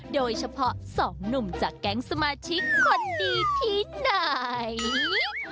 โดยเฉพาะสองหนุ่มจากแก๊งสมาชิกคนดีที่ไหน